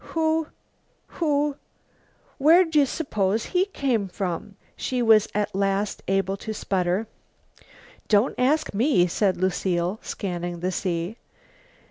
"Who who where'd you suppose he came from?" she was at last able to sputter. "Don't ask me," said Lucile, scanning the sea.